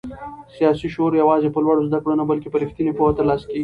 سیاسي شعور یوازې په لوړو زده کړو نه بلکې په رښتینې پوهه ترلاسه کېږي.